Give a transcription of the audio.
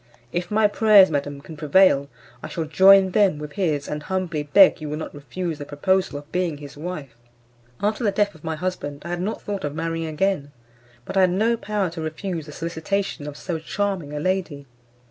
If my prayers, madam, can prevail, I shall join them with his, and humbly beg you will not refuse the proposal of being his wife." After the death of my husband I had not thought of marrying again. But I had no power to refuse the solicitation of so charming a lady.